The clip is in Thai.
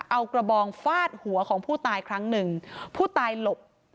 เอากระบองฟาดหัวของผู้ตายครั้งหนึ่งผู้ตายหลบ